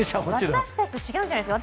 私たちと違うじゃないですか。